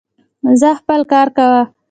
ځاا خپل کار کوه